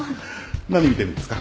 何見てるんですか？